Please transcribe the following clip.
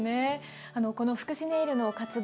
この福祉ネイルの活動